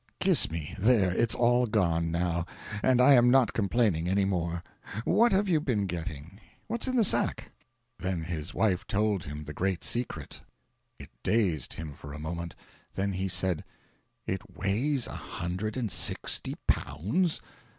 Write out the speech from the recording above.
Kiss me there, it's all gone now, and I am not complaining any more. What have you been getting? What's in the sack?" Then his wife told him the great secret. It dazed him for a moment; then he said: "It weighs a hundred and sixty pounds?